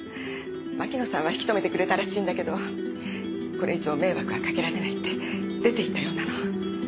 牧野さんは引きとめてくれたらしいんだけどこれ以上迷惑はかけられないって出ていったようなの。